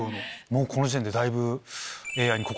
もうこの時点でだいぶ。